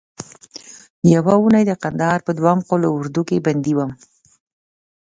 یوه اونۍ د کندهار په دوهم قول اردو کې بندي وم.